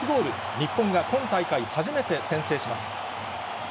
日本が今大会初めて先制します。